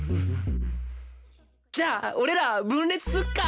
じゃあ俺ら分裂すっか？